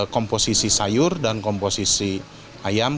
komposisi sayur dan komposisi ayam